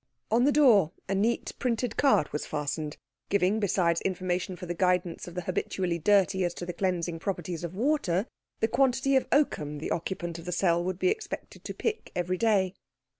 On the door a neat printed card was fastened, giving, besides information for the guidance of the habitually dirty as to the cleansing properties of water, the quantity of oakum the occupant of the cell would be expected to pick every day.